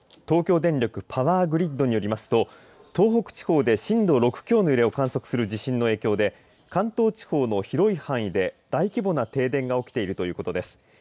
東京電力パワーグリッドによりますと東北地方で震度６強の揺れを観測する地震の影響で関東地方の広い範囲で大規模な停電が起きているということです。